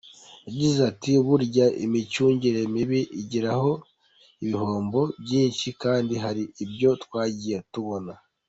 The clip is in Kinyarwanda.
Yagize ati “Burya imicungire mibi igira ibihombo byinshi kandi hari ibyo twagiye tubona.